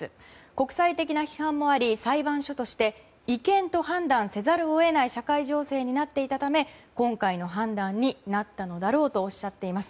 国際的な批判もあり裁判所として違憲と判断せざるを得ない社会情勢になっていたため今回の判断になったのだろうとおっしゃっています。